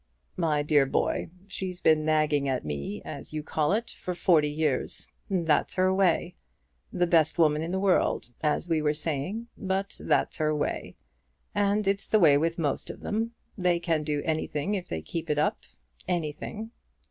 "My dear boy, she's been nagging at me, as you call it, for forty years. That's her way. The best woman in the world, as we were saying; but that's her way. And it's the way with most of them. They can do anything if they keep it up; anything.